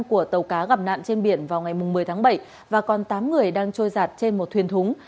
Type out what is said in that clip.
của tàu cá gặp nạn trên biển vào ngày một mươi tháng bảy và còn tám người đang trôi giặt trên một thuyền thúng